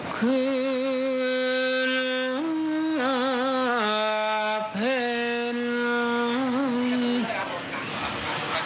คือเพลินเด็ก